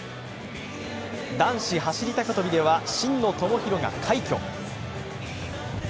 男子走高跳では真野友博が快挙。